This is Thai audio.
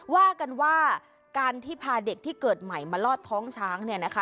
ว่ากันว่าการที่พาเด็กที่เกิดใหม่มาลอดท้องช้างเนี่ยนะคะ